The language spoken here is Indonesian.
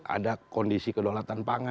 ada kondisi kedolatan pangan